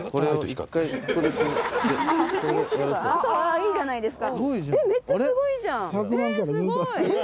いいじゃないですか。